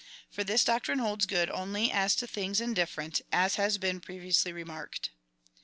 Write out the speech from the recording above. For this doc trine holds good only as to things indifferent, as has been previously remarked.